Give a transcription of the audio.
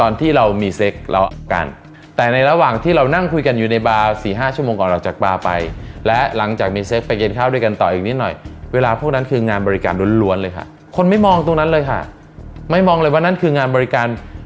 บริการล้วนเลยค่ะคนไม่มองตรงนั้นเลยค่ะไม่มองเลยว่านั่นคืองานบริการ